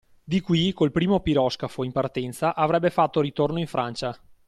Di qui, col primo piroscafo in partenza, avrebbe fatto ritorno in Francia.